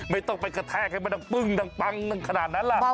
ไม่ต้องไปกระแทกให้มันดังปึ้งดังปังขนาดนั้นล่ะ